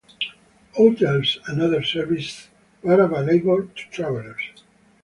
Hotels and other services were available to travelers.